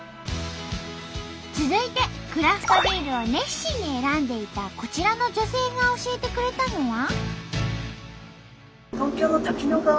続いてクラフトビールを熱心に選んでいたこちらの女性が教えてくれたのは。